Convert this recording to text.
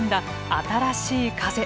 新しい風。